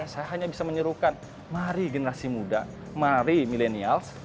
saya hanya bisa menyuruhkan mari generasi muda mari milenials